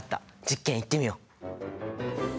実験いってみよう！